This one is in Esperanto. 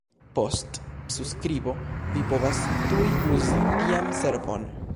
Post subskribo vi povas tuj uzi tian servon.